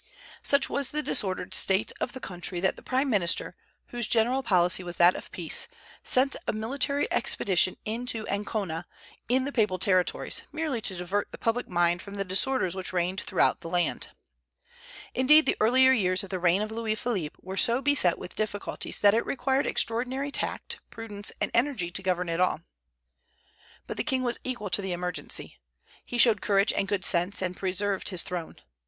Such was the disordered state of the country that the prime minister, whose general policy was that of peace, sent a military expedition to Ancona, in the Papal territories, merely to divert the public mind from the disorders which reigned throughout the land. Indeed, the earlier years of the reign of Louis Philippe were so beset with difficulties that it required extraordinary tact, prudence, and energy to govern at all. But the king was equal to the emergency. He showed courage and good sense, and preserved his throne.